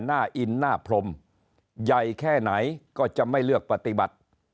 หน้าอินหน้าพรมใหญ่แค่ไหนก็จะไม่เลือกปฏิบัติ